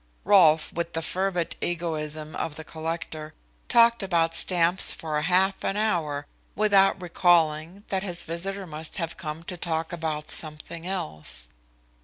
Rolfe, with the fervid egoism of the collector, talked about stamps for half an hour without recalling that his visitor must have come to talk about something else.